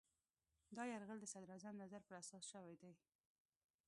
دا یرغل د صدراعظم نظر په اساس شوی دی.